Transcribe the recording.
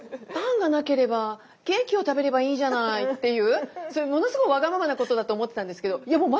「パンがなければケーキを食べればいいじゃない」っていうものすごくわがままなことだと思ってたんですけどいや